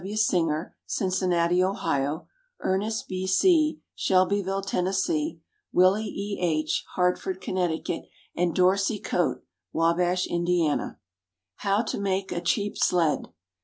W. Singer, Cincinnati, Ohio; Ernest B. C., Shelbyville, Tennessee; Willie E. H., Hartford, Connecticut; and Dorsey Coate, Wabash, Indiana. [Illustration: HOW TO MAKE A CHEAP SLED.